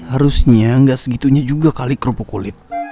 harusnya nggak segitunya juga kali kerupuk kulit